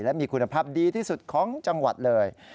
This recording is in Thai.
และมีคุณภาพดีที่สุดของจังหวัดเลย